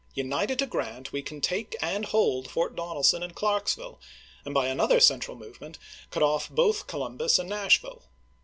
United to Grant we can take and hold Fort Donelson and Clarksville, and by another central movement cut off both Colum bus and Nashville.